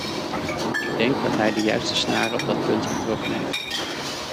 Ik denk dat hij de juiste snaar op dat punt getrokken heeft.